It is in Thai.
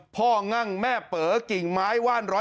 พ่องั้งแม่เปอกิ่งไม้ว่าน๑๐๘๙๐๐